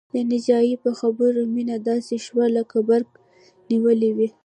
د ناجيې په خبرو مينه داسې شوه لکه برق نيولې وي